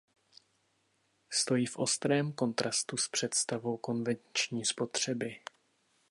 Stojí v ostrém kontrastu s představou konvenční spotřeby.